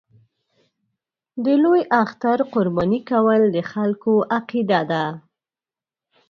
د لوی اختر قرباني کول د خلکو عقیده ده.